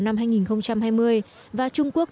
năm hai nghìn hai mươi và trung quốc